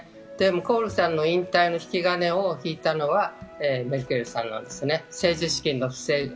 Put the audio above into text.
コールさんの引退引き金を引いたのはメルケルさんなんですね。